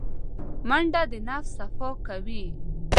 منډه د نفس صفا کوي